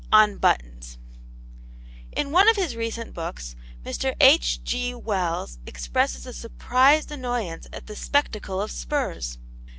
IX ON BUTTONS In one of his recent books Mr. H.G. Wells expresses a surprised annoyance at the spectacle of spurs.